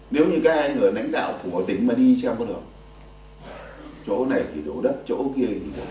nếu như các anh ở lãnh đạo của tỉnh mà đi xem có được chỗ này thì đổ đất chỗ kia thì đổ cá